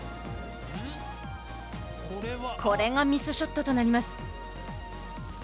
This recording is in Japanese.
これがミスショットとなります。